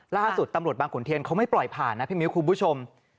ล่าสุดตำรวจบางขุนเทียนเขาไม่ปล่อยผ่านนะพี่มิ้วคุณผู้ชม